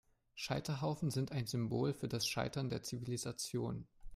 Scheiterhaufen sind ein Symbol für das Scheitern der Zivilisation.